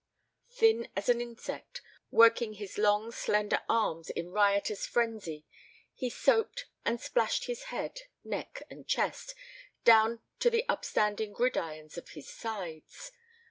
Thin as an insect, working his long slender arms in riotous frenzy, he soaped and splashed his head, neck, and chest, down to the upstanding gridirons of his sides.